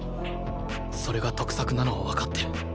それが得策なのはわかってる。